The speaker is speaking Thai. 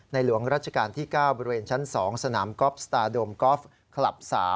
หลวงราชการที่๙บริเวณชั้น๒สนามกอล์ฟสตาร์โดมกอล์ฟคลับ๓